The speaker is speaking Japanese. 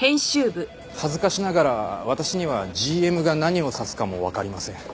恥ずかしながら私にはＧＭが何を指すかもわかりません。